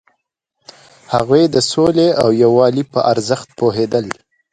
هغوی د سولې او یووالي په ارزښت پوهیدل.